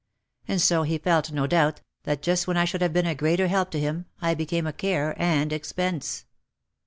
And so he felt, no doubt, that just when I should have been a greater help to him I became a care and expense.